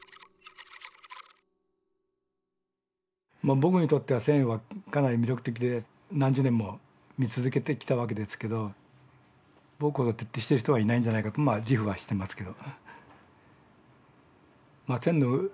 僕にとっては線はかなり魅力的で何十年も見続けてきたわけですけど僕ほど徹底してる人はいないんじゃないかと自負はしてますけど。